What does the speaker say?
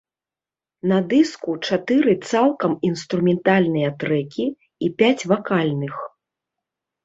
На дыску чатыры цалкам інструментальныя трэкі і пяць вакальных.